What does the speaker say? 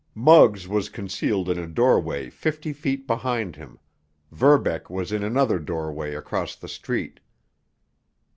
Muggs was concealed in a doorway fifty feet behind him; Verbeck was in another doorway across the street.